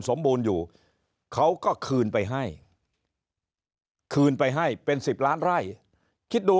สมบูรณ์อยู่เขาก็คืนไปให้คืนไปให้เป็น๑๐ล้านไร่คิดดู